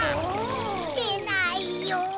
でないよ。